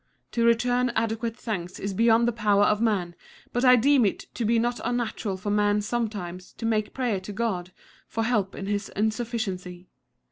To return adequate thanks is beyond the power of man, but I deem it to be not unnatural for man sometimes to make prayer to God for help in his insuffi ciency.